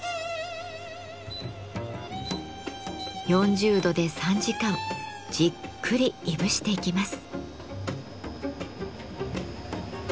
４０度で３時間じっくりいぶしていきます。